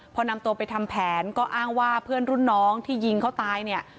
พอนำตัวไปทำแผนก็อ้างว่าเพื่อนรุ่นน้องที่ยิงเขาตายเนี่ย